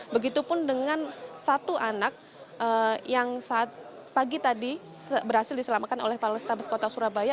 begitupun dengan satu anak yang saat pagi tadi berhasil diselamatkan oleh palestabes kota surabaya